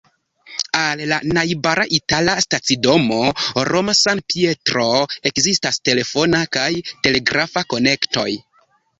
Al la najbara itala stacidomo Roma-San-Pietro ekzistas telefona kaj telegrafa konektoj.